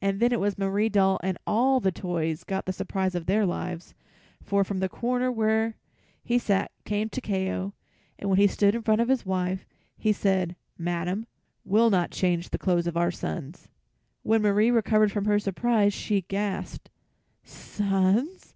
And then it was Marie Doll and all the toys got the surprise of their lives, for from the corner where he sat came Takeo, and when he stood in front of his wife, he said, "Madam will not change the clothes of our sons." When Marie recovered from her surprise, she gasped: "Sons!